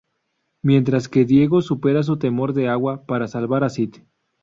Mientras que Diego supera su temor de agua para salvar a Sid.